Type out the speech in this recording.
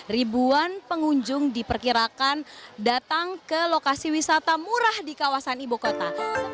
ribuan pengunjung diperkirakan datang ke lokasi wisata murah di kawasan ibu kota